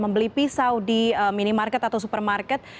membeli pisau di minimarket atau supermarket